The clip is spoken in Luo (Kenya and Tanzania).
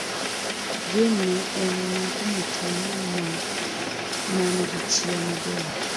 Jane ne en nyako matin man gi chia maber.